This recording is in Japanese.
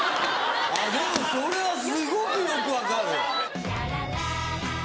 でもそれはすごくよく分かる！